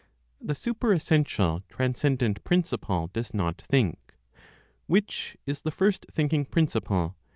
The Superessential Transcendent Principle Does Not Think. Which is the First Thinking Principle?